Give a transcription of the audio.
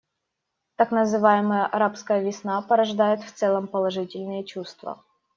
Так называемая «арабская весна» порождает в целом положительные чувства.